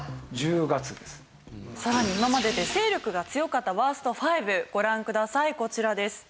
さらに今までで勢力が強かったワースト５ご覧くださいこちらです。